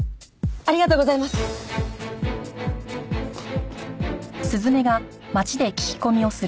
ありがとうございます！